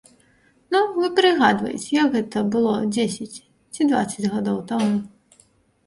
Ну, вы прыгадваеце, як гэта было дзесяць ці дваццаць гадоў таму.